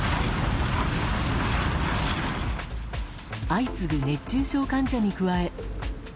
相次ぐ熱中症患者に加え。